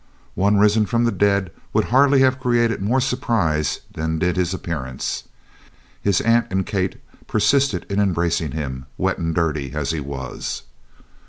One risen from the dead would hardly have created more surprise than did his appearance. His aunt and Kate persisted in embracing him, wet and dirty as he was.